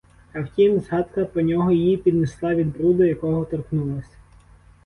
А втім, згадка про нього її піднесла від бруду, якого торкнулась.